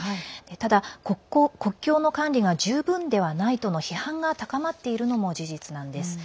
ただ国境の管理が十分でないとの批判が高まっているのも事実です。